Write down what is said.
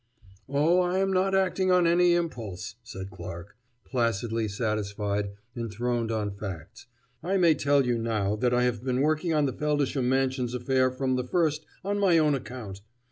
"Oh, I am not acting on any impulse," said Clarke, placidly satisfied, enthroned on facts; "I may tell you now that I have been working on the Feldisham Mansions affair from the first on my own account.